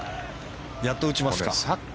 やっと打ちますか。